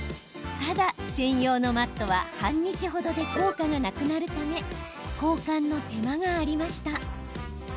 ただ、専用のマットは半日程で効果がなくなるため交換の手間がありました。